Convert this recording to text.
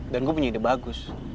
dan gue punya ide bagus